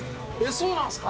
そうなんすか？